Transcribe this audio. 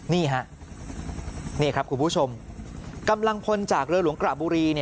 นี่ฮะนี่ครับคุณผู้ชมกำลังพลจากเรือหลวงกระบุรี